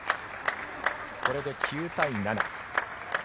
これで９対７。